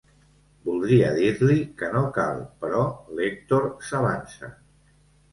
Voldria dir-li que no cal, però l'Èctor s'avança.